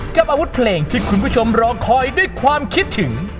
กับอาวุธเพลงที่คุณผู้ชมรอคอยด้วยความคิดถึง